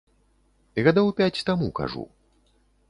Гадоў пяць таму, кажу.